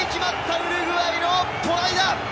ウルグアイのトライだ！